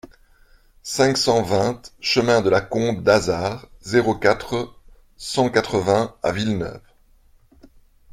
cinq cent vingt chemin de la Combe d'Azard, zéro quatre, cent quatre-vingts à Villeneuve